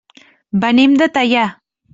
Venim de Teià.